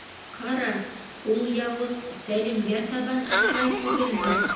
Ҡара, ул яуыз Сәлимгә табан атлай түгелме?